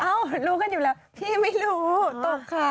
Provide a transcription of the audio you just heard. เอ้ารู้กันอยู่แล้วพี่ไม่รู้ต้องข่าว